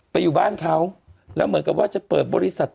อยู่บ้านเขาแล้วเหมือนกับว่าจะเปิดบริษัท